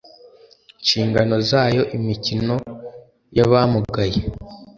Nshingano zayo imikino y abamugaye